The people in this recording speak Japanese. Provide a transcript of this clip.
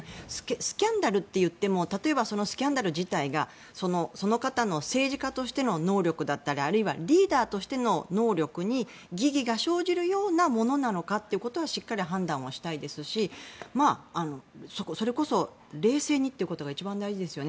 スキャンダルといってもスキャンダル自体がその方の政治家としての能力だったりあるいはリーダーとしての能力に疑義が生じるものなのかしっかり判断したいですしそれこそ冷静にというのが一番大事ですよね。